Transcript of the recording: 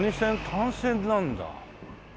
単線なんだ。